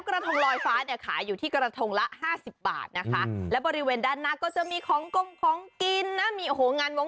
กระทงลอยไฟขายอยู่ที่กระทงละ๕๐บาทและบริเวณด้านหน้าก็จะมีของคิน